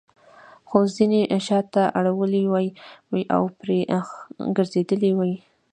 خو ځینو شاته اړولې وې او پرې ځړېدلې وې.